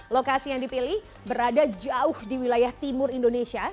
lokasi yang dipilih berada jauh di wilayah timur indonesia